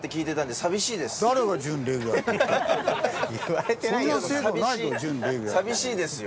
寂しいですよ。